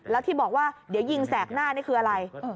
แล้วที่บอกว่าเดี๋ยวยิงแสกหน้านี่คืออะไร